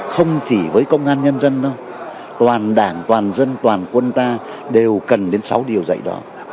không chỉ với công an nhân dân đâu toàn đảng toàn dân toàn quân ta đều cần đến sáu điều dạy đó